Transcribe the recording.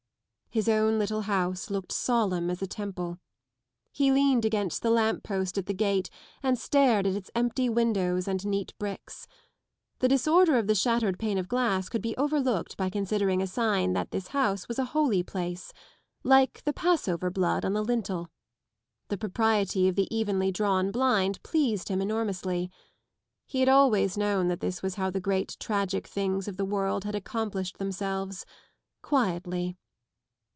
116 His own little house Hooked solemn as a temple. He leaned against the lamp post at the gate and stared at its empty windows and neat bricks. Tae disorder of the shattered pane of glass could be overlooked by considering a sign that this hoose was a holy place : like the Passover blood on the lintel. The propriety of the evenly drawn blind pleased him enormously. He had always known that this was how the great tragic things of the world had accomplished themselves : quietly.